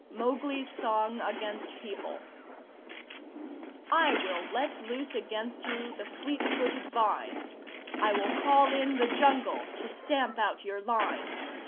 MOWGLI'S SONG AGAINST PEOPLE I will let loose against you the fleet footed vines I will call in the Jungle to stamp out your lines!